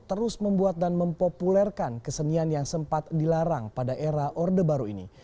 terus membuat dan mempopulerkan kesenian yang sempat dilarang pada era orde baru ini